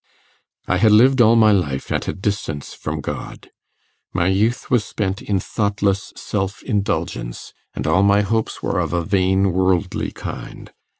'I had lived all my life at a distance from God. My youth was spent in thoughtless self indulgence, and all my hopes were of a vain worldly kind.